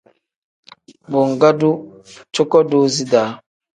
Bo ngdu cuko doozi da.